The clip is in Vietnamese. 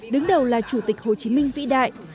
đứng đầu là chủ tịch hồ chí minh vĩ đại